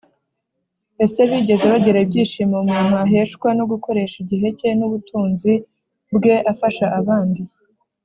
Ese bigeze bagira ibyishimo umuntu aheshwa no gukoresha igihe cye n ubutunzi bwe afasha abandi